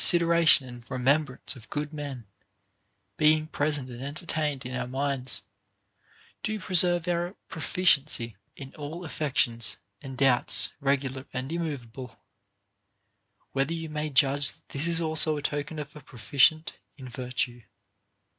473 sideration and remembrance of good men, being present and entertained in our minds, do preserve our proficiency in all affections and doubts regular and immovable ; where fore you may judge that this is also a token of a profi cient in virtue.